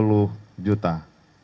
yang rusak sedang